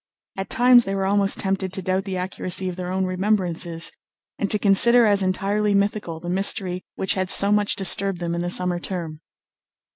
At times they were almost tempted to doubt the accuracy of their own remembrances, and to consider as entirely mythical the mystery which had so much disturbed them in the summer term.